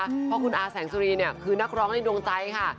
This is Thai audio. เพราะคุณอาแสงสุรีเนี่ยคือนักร้องในดวงใจค่ะ